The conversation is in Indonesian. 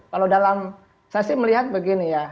kalau dalam saya sih melihat begini ya